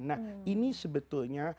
nah ini sebetulnya